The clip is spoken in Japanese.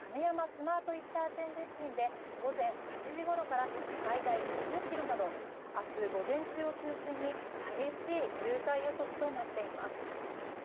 スマートＩＣ付近では午前８時ごろから最大２０ｋｍなど明日午前中を中心に激しい渋滞予測となっています。